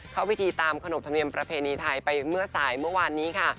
เข้าพิธีตามขนบธรรมเนียมประเพณีไทยไปเมื่อสายเมื่อวานนี้ค่ะ